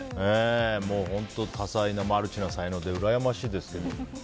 本当、多彩でマルチな才能で羨ましいですけど。